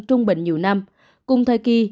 trung bình nhiều năm cùng thời kỳ